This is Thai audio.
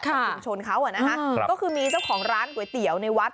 ชุมชนเขาอ่ะนะคะก็คือมีเจ้าของร้านก๋วยเตี๋ยวในวัด